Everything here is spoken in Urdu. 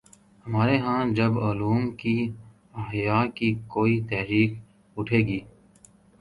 ہمارے ہاں جب علوم کے احیا کی کوئی تحریک اٹھے گی۔